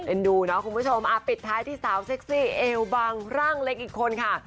ดูเนาะคุณผู้ชมปิดท้ายที่สาวเซ็กซี่เอวบังร่างเล็กอีกคนค่ะ